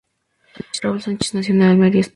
Raúl Sánchez nació en Almería, España.